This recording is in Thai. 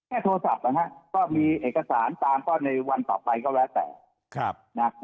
แค่โทรศัพท์ก็มีเอกสาร